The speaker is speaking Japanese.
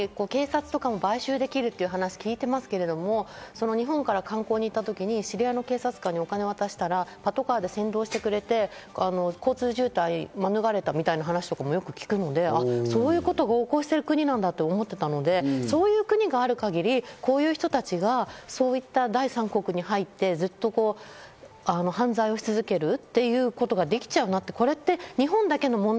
私もフィリピンは今回、警察とかも買収できるという話も聞いてますけど、日本から観光に行った時に知り合いの警察官にお金を渡したらパトカーで先導してくれて、交通渋滞を免れたみたいな話もよく聞くので、そういうことが横行してる国なんだと思ってたんで、そういう国がある限り、こういう人たちがそういった第三国に入ってずっと犯罪をし続けるということができちゃうなと。